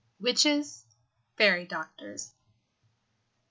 WITCHES, FAIRY DOCTORS.